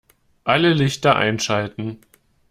Alle Lichter einschalten